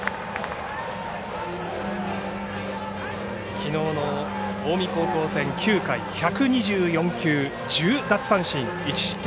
きのうの近江高校戦、９回１２４球１０奪三振１失点。